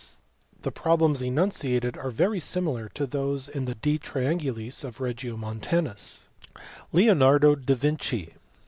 The problems enunciated are very similar to those in the De Triangulis of Regiomontanus. Leonardo da Vinci.